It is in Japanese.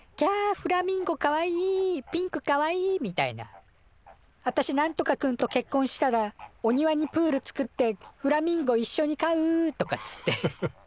フラミンゴかわいいピンクかわいい」みたいな「あたしなんとか君とけっこんしたらお庭にプール作ってフラミンゴいっしょに飼う」とかっつって。